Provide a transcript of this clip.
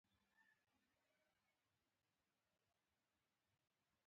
شاه ولي الله صاحب له عربي څخه فارسي ته ژباړلې وه.